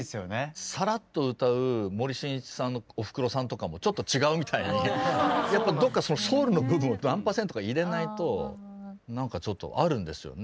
さらっと歌う森進一さんの「おふくろさん」とかもちょっと違うみたいにどっかソウルの部分を何パーセントか入れないと何かちょっとあるんですよね。